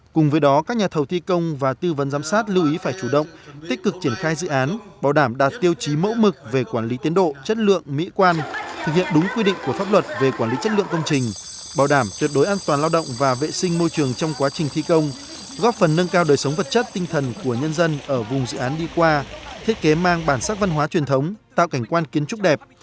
cùng với đó các nhà thầu thi công và tư vấn giám sát lưu ý phải chủ động tích cực triển khai dự án bảo đảm đạt tiêu chí mẫu mực về quản lý tiến độ chất lượng mỹ quan thực hiện đúng quy định của pháp luật về quản lý chất lượng công trình bảo đảm tuyệt đối an toàn lao động và vệ sinh môi trường trong quá trình thi công góp phần nâng cao đời sống vật chất tinh thần của nhân dân ở vùng dự án đi qua thiết kế mang bản sắc văn hóa truyền thống tạo cảnh quan kiến trúc đẹp